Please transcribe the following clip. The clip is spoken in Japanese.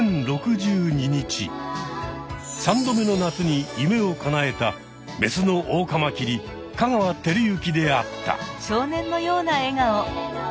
３度目の夏に夢を叶えたメスのオオカマキリ香川照之であった。